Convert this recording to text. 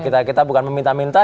kita bukan meminta minta